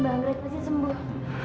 mbak anggrek pasti sembuh